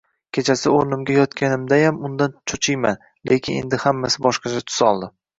Kechasi o`rnimda yotganimdayam undan cho`chiyman, lekin endi hammasi boshqacha tus oldi